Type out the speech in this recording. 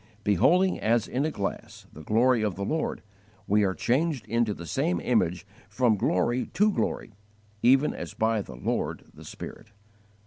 "Beholding as in a glass the glory of the Lord, we are changed into the same image from glory to glory, even as by the Lord the Spirit."